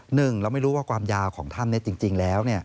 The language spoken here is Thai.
หนึ่งเราไม่รู้ว่าความยาวของถ้ำจริงแล้ว